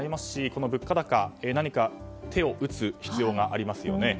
この物価高に何か手を打つ必要がありますよね。